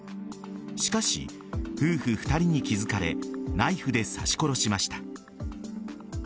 しかし夫婦２人に気付かれナイフで刺し殺しました。